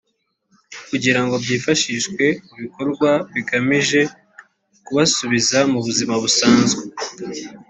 kugirango byifashishwe mu bikorwa bigamije kubasubiza mu buzima bisanzwe